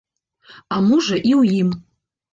А можа, і ў ім.